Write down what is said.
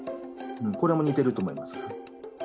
これも似てると思います。